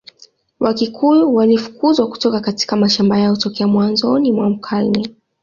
Wakikuyu walifukuzwa kutoka katika mashamba yao tokea mwanzoni mwa karne